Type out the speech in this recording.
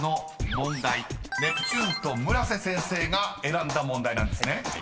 ［ネプチューンと村瀬先生が選んだ問題なんですね］